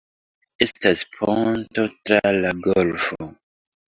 Estas ponto tra la golfo.